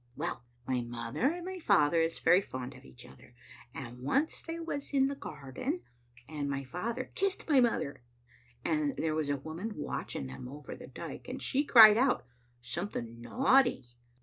Well, my mother and my father is very fond of each other, and once they was in the garden, and my father kissed my mother, and there was a woman watching them over the dike, and she cried out — something naughty.